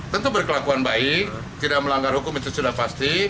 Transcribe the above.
tentu berkelakuan baik tidak melanggar hukum itu sudah pasti